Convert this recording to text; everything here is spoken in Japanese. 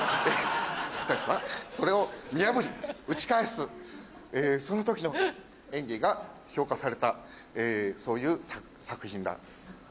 私はそれを見破り打ち返すその時の演技が評価されたそういう作品なんです。